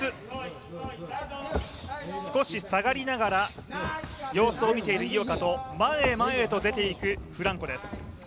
ジャブ３つ、少し下がりながら様子を見ている井岡と前へ前へと出ていくフランコです。